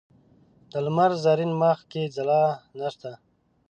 د لمر زرین مخ کې ځلا نشته